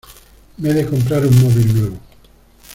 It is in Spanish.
Me he de comprar un móvil nuevo.